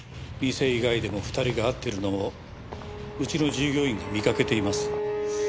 店以外でも２人が会ってるのをうちの従業員が見かけています。